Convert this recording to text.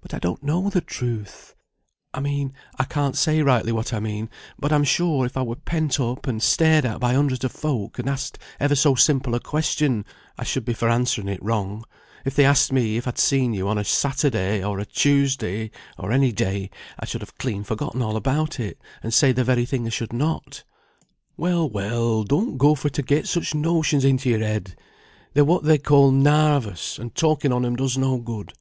"But I don't know the truth; I mean I can't say rightly what I mean; but I'm sure, if I were pent up, and stared at by hundreds of folk, and asked ever so simple a question, I should be for answering it wrong; if they asked me if I had seen you on a Saturday, or a Tuesday, or any day, I should have clean forgotten all about it, and say the very thing I should not." "Well, well, don't go for to get such notions into your head; they're what they call 'narvous,' and talking on 'em does no good.